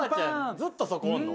ずっとそこおんの？